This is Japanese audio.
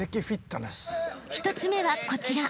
［１つ目はこちら］